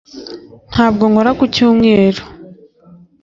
ntabwo nkora ku cyumweru